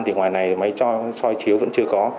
thì ngoài này máy soi chiếu vẫn chưa có